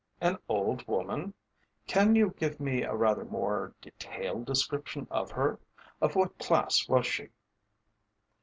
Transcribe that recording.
"An old woman? Can you give me a rather more detailed description of her? Of what class was she?"